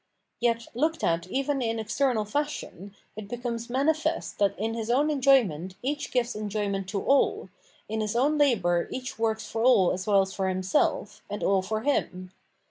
Yet looked at even in external fashion, it becomes manifest that in his OAyn enjoyment each gives enjoy ment to all, in his o'wn labour each works for aU as well as for hims elf, and aU for him.